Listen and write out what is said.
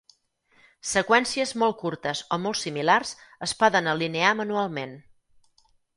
Seqüències molt curtes o molt similars es poden alinear manualment.